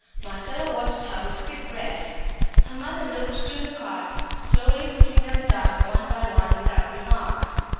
Marcella watched her with quick breath. Her mother looked through the cards, slowly putting them down one by one without remark.